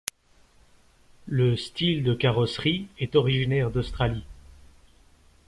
Le style de carrosserie est originaire d'Australie.